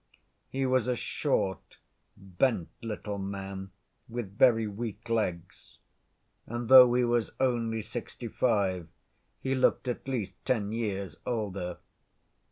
He was a short, bent, little man, with very weak legs, and though he was only sixty‐five, he looked at least ten years older.